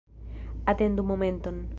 Atendu momenton.